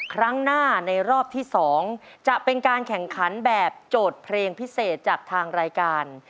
ครั้งหน้าในรอบที่๒จะเป็นการแข่งขันแบบโจทย์เพลงพิเศษจากทางรายการ